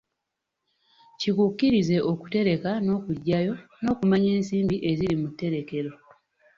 Kikukkirize okutereka n'okuggyayo n'okumanya ensimbi eziri mu tterekero.